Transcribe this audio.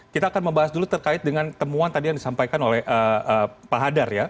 kita akan membahas dulu terkait dengan temuan tadi yang disampaikan oleh pak hadar ya